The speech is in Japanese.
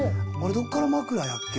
どっから枕やっけ？」